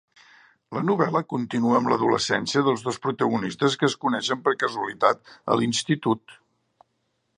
La novel·la continua amb l'adolescència dels dos protagonistes, que es coneixen per casualitat a l'institut.